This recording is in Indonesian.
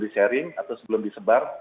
disaring atau sebelum disebar